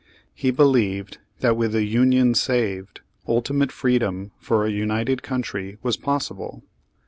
He be lieved that with the Union saved, ultimate free dom for a united country was possible.